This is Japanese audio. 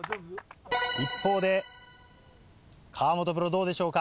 一方で河本プロどうでしょうか。